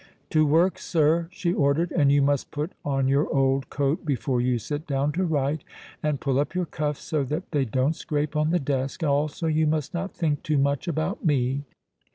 "To work, sir," she ordered. "And you must put on your old coat before you sit down to write, and pull up your cuffs so that they don't scrape on the desk. Also, you must not think too much about me."